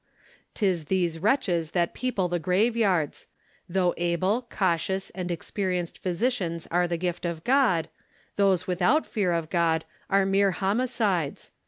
'Tis these wretches that people the graveyards ; though able, cautious, and ex perienced physicians are the gift of God, those without fear of God are mere homicides.